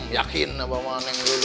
yakin abah mah neng lulus bener